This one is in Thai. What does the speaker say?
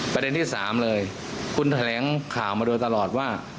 ประเด็นที่๓เลยคุณแถลงข่าวมาโดยตลอดว่า